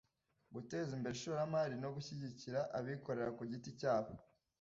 guteza imbere ishoramari no gushyigikira abikorera ku giti cyabo